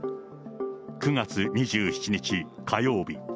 ９月２７日火曜日。